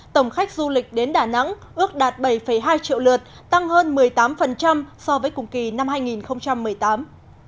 tổng khách du lịch đến đà nẵng ước đạt bảy hai triệu lượt tăng hơn một mươi tám so với cùng kỳ năm hai nghìn một mươi tám